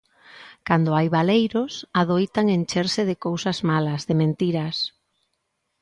Cando hai baleiros, adoitan encherse de cousas malas, de mentiras.